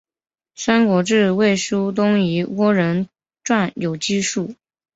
三国志魏书东夷倭人传有记述。